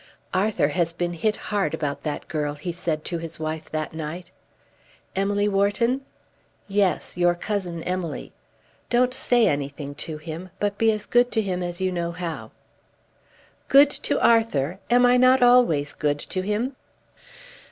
"Arthur has been hit hard about that girl," he said to his wife that night. "Emily Wharton?" "Yes; your cousin Emily. Don't say anything to him, but be as good to him as you know how." "Good to Arthur! Am I not always good to him?"